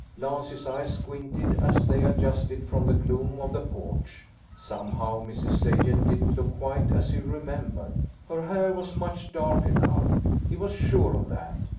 Lance's eyes squinted, as they adjusted from the gloom of the porch. Somehow, Mrs. Sagen didn't look quite as he remembered. Her hair was much darker now; he was sure of that.